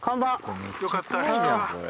よかった。